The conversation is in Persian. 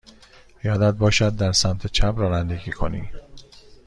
یادت باشد در سمت چپ رانندگی کنی.